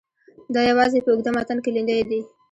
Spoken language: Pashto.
دا یوازې په اوږده متن کې لیندیو دي.